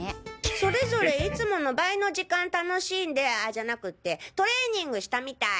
それぞれいつもの倍の時間楽しんでああじゃなくてトレーニングしたみたい！